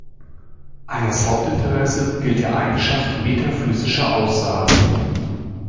Ayers Hauptinteresse gilt der Eigenschaft metaphysischer Aussagen.